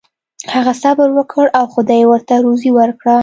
هغه صبر وکړ او خدای ورته روزي ورکړه.